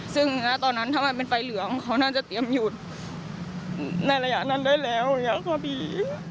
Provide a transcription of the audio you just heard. ซึ่งณตอนนั้นถ้ามันเป็นไฟเหลืองเขาน่าจะเตรียมหยุดในระยะนั้นได้แล้วอะไรอย่างนี้ก็มี